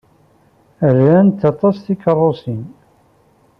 Rant aṭas tikeṛṛusin.